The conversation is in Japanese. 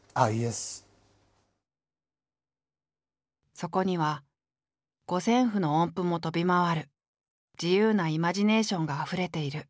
そこには五線譜の音符も飛び回る自由なイマジネーションがあふれている。